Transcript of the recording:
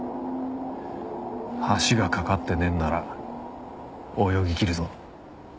橋が架かってねえんなら泳ぎきるぞ。